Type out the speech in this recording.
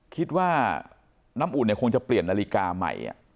คิดว่าน้ำอุ่นเนี่ยคงจะเปลี่ยนนาฬิกาใหม่